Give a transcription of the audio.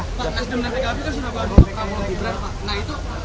pak aris sudah menantikan itu kan sudah buat kamu berapa